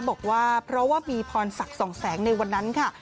บอกว่าเพราะว่ามีพรศักดิ์สองแสงในวันนั้นค่ะ